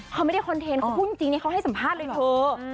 เขาไม่ได้คอนเทนต์เขาพูดจริงนี่เขาให้สัมภาษณ์เลยเธอ